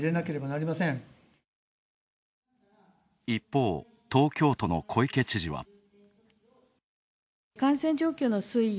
一方、東京都の小池知事は。